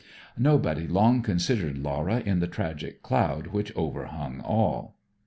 Nobody long considered Laura in the tragic cloud which overhung all.